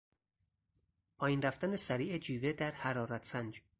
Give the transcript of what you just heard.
پایین رفتن سریع جیوه در حرارت سنج